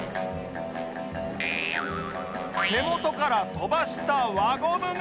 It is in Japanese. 手元から飛ばした輪ゴムが